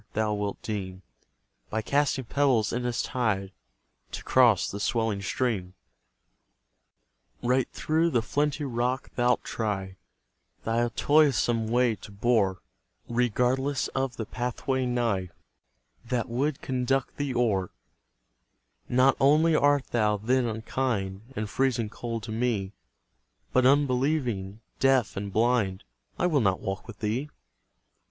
thou wilt deem, By casting pebbles in its tide, To cross the swelling stream. Right through the flinty rock thou'lt try Thy toilsome way to bore, Regardless of the pathway nigh That would conduct thee o'er Not only art thou, then, unkind, And freezing cold to me, But unbelieving, deaf, and blind: I will not walk with thee!